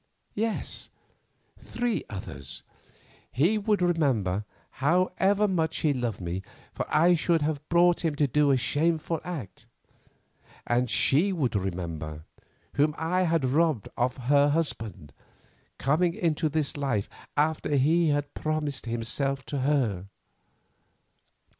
Yes; three others. He would remember, however much he loved me, for I should have brought him to do a shameful act. And she would remember, whom I had robbed of her husband, coming into his life after he had promised himself to her.